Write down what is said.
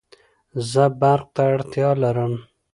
زه برق ته اړتیا لرم